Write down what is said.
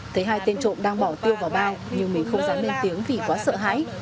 thấy hai tên trộm đang bỏ tiêu vào bao nhưng mình không dám lên tiếng vì quá sợ hãi